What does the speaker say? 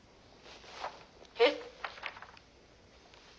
「えっ」。